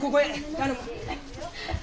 頼む。